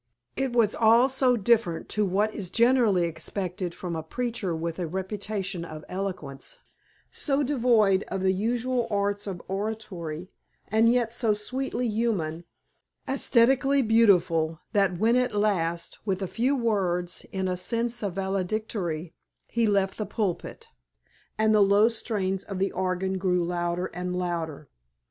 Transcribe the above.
It was all so different to what is generally expected from a preacher with the reputation of eloquence, so devoid of the usual arts of oratory, and yet so sweetly human, æsthetically beautiful that when at last, with a few words, in a sense valedictory he left the pulpit, and the low strains of the organ grew louder and louder.